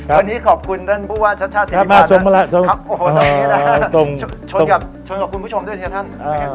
วันนี้ขอบคุณท่านผู้ว่าชัดศิริพาณมาชมมาละชนกับคุณผู้ชมด้วยนะท่าน